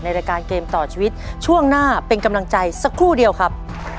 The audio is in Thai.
รายการเกมต่อชีวิตช่วงหน้าเป็นกำลังใจสักครู่เดียวครับ